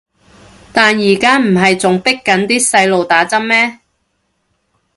但而家唔係仲迫緊啲細路打針咩